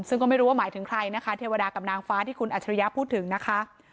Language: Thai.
ซึ่งก็ไม่รู้ว่าหมายถึงใครนะคะเทวดากับนางฟ้าที่คุณอัจฉริยะพูดถึงนะคะ